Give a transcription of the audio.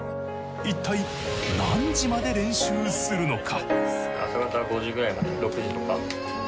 いったい何時まで練習するのか？